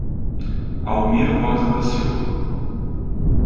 Almir Rosa da Silva